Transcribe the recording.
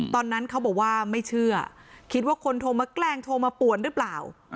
ตอนนั้นเขาบอกว่าไม่เชื่อคิดว่าคนโทรมาแกล้งโทรมาป่วนหรือเปล่า